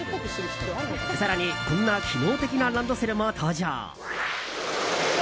更にこんな機能的なランドセルも登場。